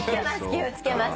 気を付けます。